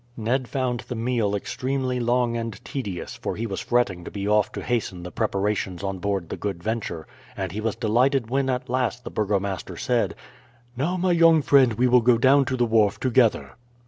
Ned found the meal extremely long and tedious, for he was fretting to be off to hasten the preparations on board the Good Venture, and he was delighted when at last the burgomaster said: "Now, my young friend, we will go down to the wharf together."